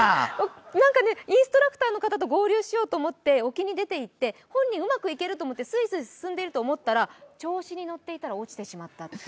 何かね、インストラクターの人と合流しようと思って沖に出て行って本人うまくいくと思ってすいすい進んでいったら調子に乗っていたら落ちてしまったという。